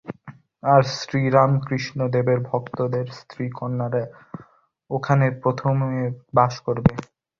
আর শ্রীরামকৃষ্ণদেবের ভক্তদের স্ত্রী-কন্যারা ওখানে প্রথমে বাস করবে।